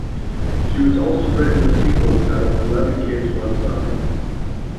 She has also written a sequel entitled "Eleven Kids, One Summer".